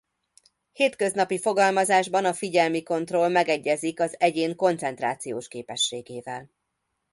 Hétköznapi fogalmazásban a figyelmi kontroll megegyezik az egyén koncentrációs képességével.